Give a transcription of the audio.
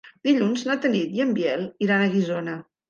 Dilluns na Tanit i en Biel iran a Guissona.